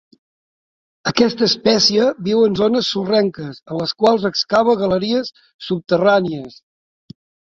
Aquesta espècie viu en zones sorrenques en les quals excava galeries subterrànies.